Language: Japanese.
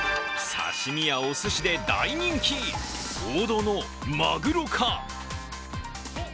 刺身やおすしで大人気、王道のマグロか。